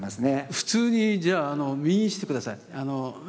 普通にじゃあ右にしてください。